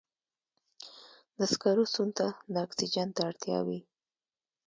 د سکرو سون ته د اکسیجن ته اړتیا وي.